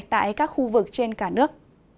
tại các khu vực trên cả nước